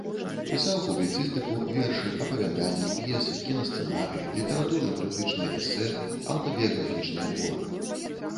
Пісаў публіцыстыку, вершы, апавяданні, п'есы, кінасцэнарыі, літаратурна-крытычныя эсэ, аўтабіяграфічныя творы.